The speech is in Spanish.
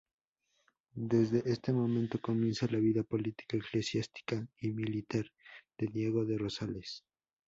Desde este momento comienza la vida política, eclesiástica y militar de Diago de Rosales.